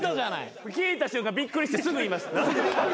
聞いた瞬間びっくりしてすぐ言いました。